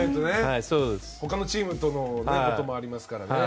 他のチームとのこともありますしね。